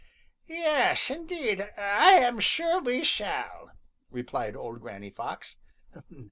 "Yes, indeed, I am sure we shall," replied old Granny Fox.